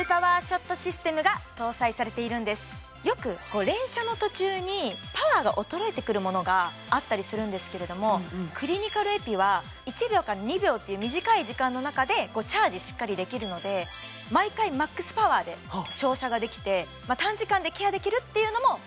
クリニカルエピにはよく連射の途中にパワーが衰えてくるものがあったりするんですけれどもクリニカルエピは１秒から２秒っていう短い時間の中でチャージしっかりできるので毎回ＭＡＸパワーで照射ができてそれすごない？